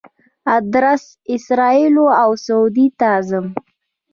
اردن، اسرائیلو او سعودي ته ځم.